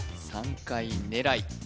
３回狙い